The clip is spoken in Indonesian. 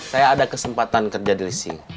saya ada kesempatan kerja di licin